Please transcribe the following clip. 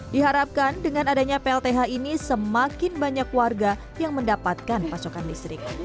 diharapkan dengan adanya plth ini semakin banyak warga yang mendapatkan pasokan listrik